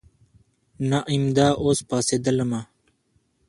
نه امدا اوس پاڅېدلمه.